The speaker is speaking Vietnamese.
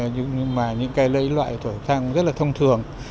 nhưng mà những cái loại khẩu trang rất là thông thường